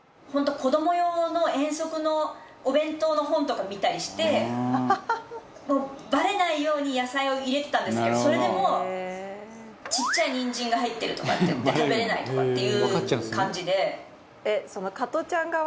子ども用の遠足のお弁当の本とか見たりしてバレないように野菜を入れてたんですけどそれでも「ちっちゃいニンジンが入ってる」とか言って「食べれない」とかっていう感じで。